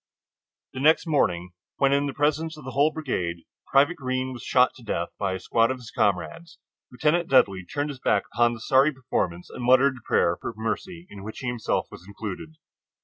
The next morning, when in the presence of the whole brigade Private Greene was shot to death by a squad of his comrades, Lieutenant Dudley turned his back upon the sorry performance and muttered a prayer for mercy, in which himself was included.